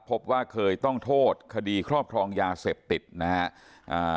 พบว่าเคยต้องโทษคดีครอบครองยาเสพติดนะฮะอ่า